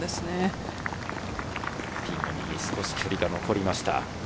ピンの右、少し距離が残りました。